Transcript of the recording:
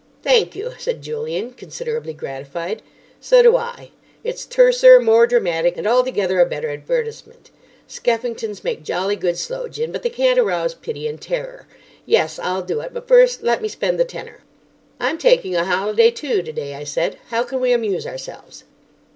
"Thank you," said Julian, considerably gratified. "So do I. It's terser, more dramatic, and altogether a better advertisement. Skeffington's make jolly good sloe gin, but they can't arouse pity and terror. Yes, I'll do it; but first let me spend the tenner." "I'm taking a holiday, too, today," I said. "How can we amuse ourselves?"